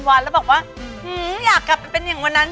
พะโล้แตกว่างั้น